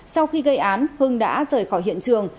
sau khi gây án hưng đã rời khỏi hiện trường